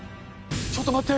ちょっと待って。